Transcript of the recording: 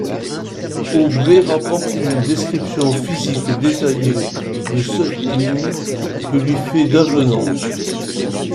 Aubrey rapporte une description physique détaillée de Suckling que lui fait Davenant.